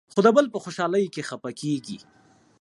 خو د بل په خوشالۍ کې خفه کېږي.